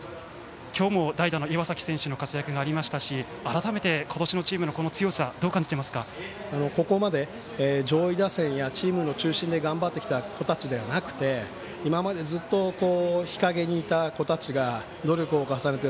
今日も代打の岩崎選手の活躍がありましたし改めて今年のチームの強さここまで上位打線やチームの中心で頑張ってきた子たちではなくて今までずっと日陰にいた子たちが努力を重ねて